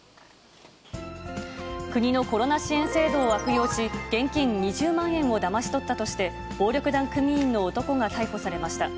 国のコロナ支援制度を悪用し、現金２０万円をだまし取ったとして、暴力団組員の男が逮捕されました。